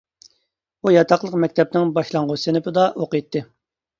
ئۇ ياتاقلىق مەكتەپنىڭ باشلانغۇچ سىنىپىدا ئوقۇيتتى.